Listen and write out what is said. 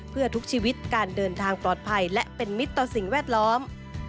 เพื่อทุกชีวิตการเดินทางปลอดภัยและเป็นมิตรต่อสิ่งแวดล้อม